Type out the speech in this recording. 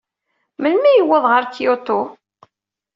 Melmi ay yuweḍ ɣer Kyoto?